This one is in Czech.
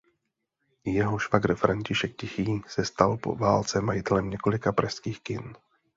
Jeho švagr František Tichý se stal po válce majitelem několika pražských kin.